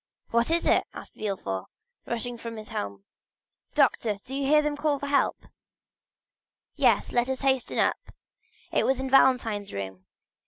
"What is it?" asked Villefort, rushing from his room. "Doctor, do you hear them call for help?" "Yes, yes; let us hasten up; it was in Valentine's room."